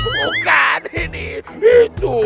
bukan ini itu